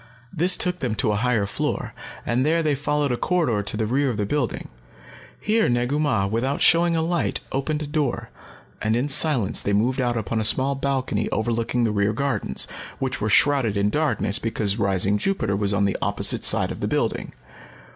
This took them to a higher floor, and there they followed a corridor to the rear of the building. Here Negu Mah, without showing a light, opened a door, and in silence they moved out upon a small balcony overlooking the rear gardens, which were shrouded in darkness because rising Jupiter was on the opposite side of the building.